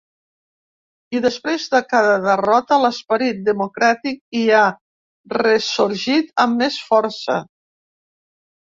I després de cada derrota l’esperit democràtic hi ha ressorgit amb més força.